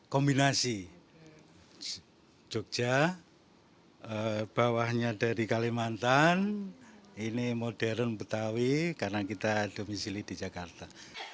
kombinasi jogja bawahnya dari kalimantan ini modern betawi karena kita domisili di jakarta